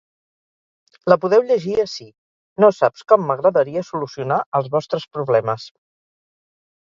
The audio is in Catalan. La podeu llegir ací: ‘No saps com m’agradaria solucionar els vostres problemes’.